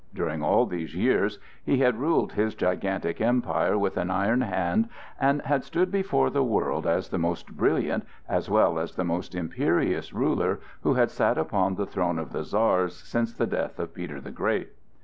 During all these years he had ruled his gigantic empire with an iron hand and had stood before the world as the most brilliant as well as the most imperious ruler who had sat upon the throne of the Czars since the death of Peter the Great.